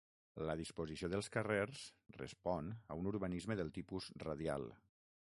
La disposició dels carrers respon a un urbanisme del tipus radial.